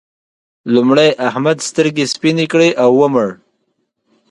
لومړی احمد سترګې سپينې کړې او ومړ.